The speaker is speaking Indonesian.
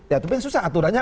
ya tapi yang susah aturannya